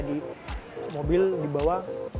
di mobil di bawah